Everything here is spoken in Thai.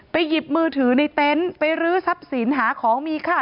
หยิบมือถือในเต็นต์ไปรื้อทรัพย์สินหาของมีค่า